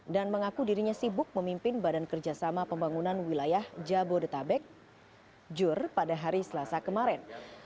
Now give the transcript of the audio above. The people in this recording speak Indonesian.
dan mengaku dirinya sibuk memimpin badan kerjasama pembangunan wilayah jabodetabek jur pada hari selasa kemarin